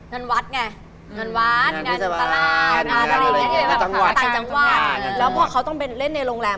นวัด์ไง